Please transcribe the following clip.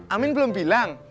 amin belum bilang